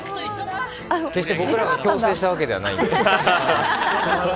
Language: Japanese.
決して僕らが強制したわけではない。